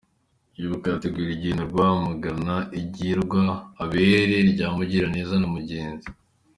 Ibuka yateguye urugendo rwamagana igirwa abere rya Mugiraneza na Mugenzi